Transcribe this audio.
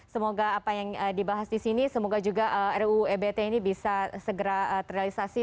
semoga apa yang dibahas di sini semoga juga ruu ebt ini bisa segera terrealisasi